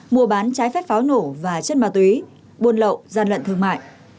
mua bán trái phép pháo nổ và chất ma túy buôn lậu gian lận thương mại